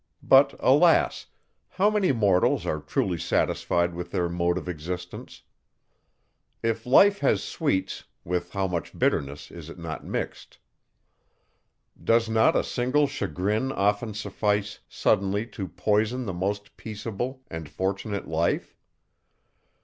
But, alas! how many mortals are truly satisfied with their mode of existence? If life has sweets, with how much bitterness is it not mixed? Does not a single chagrin often suffice suddenly to poison the most peaceable and fortunate life?